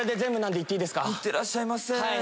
いってらっしゃいませ。